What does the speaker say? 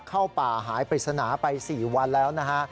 เข้าป่าหายปริศนาไป๔วันแล้วนะฮะ